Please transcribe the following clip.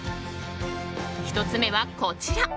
１つ目はこちら。